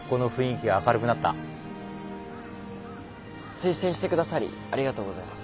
推薦してくださりありがとうございます。